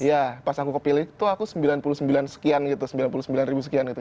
iya pas aku kepilih tuh aku sembilan puluh sembilan sekian gitu sembilan puluh sembilan ribu sekian gitu